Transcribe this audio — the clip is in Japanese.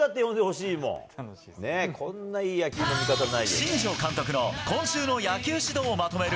新庄監督の今週の野球指導をまとめる